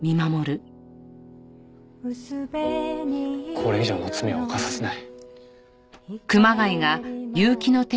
これ以上の罪は犯させない。